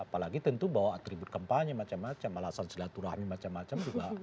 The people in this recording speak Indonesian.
apalagi tentu bawa atribut kampanye macam macam alasan silaturahmi macam macam juga